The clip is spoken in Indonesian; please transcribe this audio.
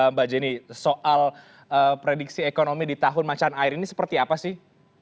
mbak jenny soal prediksi ekonomi di tahun macan air ini seperti apa sih